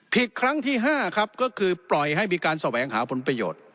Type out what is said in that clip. ครั้งที่๕ครับก็คือปล่อยให้มีการแสวงหาผลประโยชน์